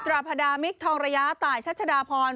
ราพดามิคทองระยะตายชัชดาพร